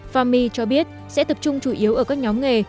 farmy cho biết sẽ tập trung chủ yếu ở các nhóm nghề